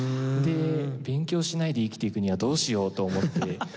で勉強しないで生きていくにはどうしようと思って。